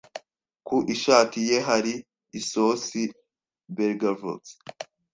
Ku ishati ye hari isosi. (belgavox)